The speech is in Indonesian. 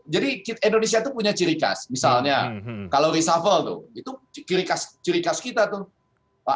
jadi indonesia itu punya ciri khas misalnya kalau reshuffle itu itu ciri khas kita